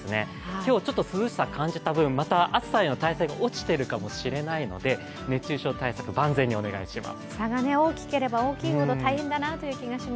今日ちょっと涼しさを感じた分、また暑さへの耐性が落ちているかもしれないので熱中症対策、万全にお願いします。